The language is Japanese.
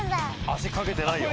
足掛けてないよ。